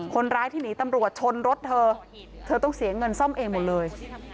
คนร้ายที่หนีตำรวจชนรถเธอเธอต้องเสียเงินซ่อมเองหมดเลย